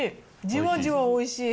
じわじわおいしい。